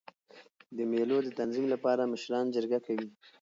د مېلو د تنظیم له پاره مشران جرګه کوي.